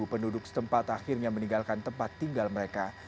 dua puluh tujuh penduduk setempat akhirnya meninggalkan tempat tinggal mereka